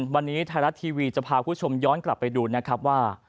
วันนี้ไทยรัฐทีวีจะพาคุณผู้ชมย้อนกลับไปดูนะครับว่า